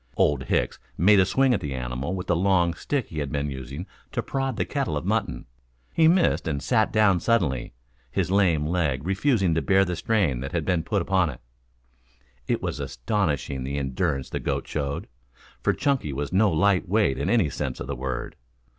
Old Hicks made a swing at the animal with the long stick he had been using to prod the kettle of mutton. He missed and sat down suddenly, his lame leg refusing to bear the strain that had been put upon it. It was astonishing the endurance the goat showed, for Chunky was no light weight in any sense of the word.